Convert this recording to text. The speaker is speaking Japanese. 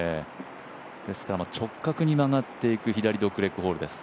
ですから、直角に曲がっていく左ドッグレッグホールです。